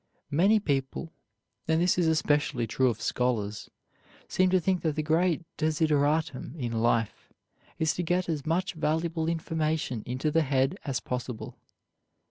Many people and this is especially true of scholars seem to think that the great desideratum in life is to get as much valuable information into the head as possible.